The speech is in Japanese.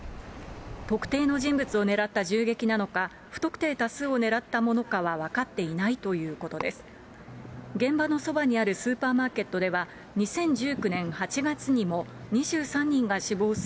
特定の人物を狙った銃撃なのか、不特定多数を狙ったものなのかは分かっていないということです。